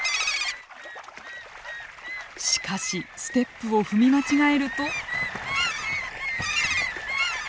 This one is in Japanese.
しかしステップを踏み間違えると。